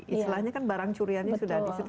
istilahnya kan barang curiannya sudah disediakan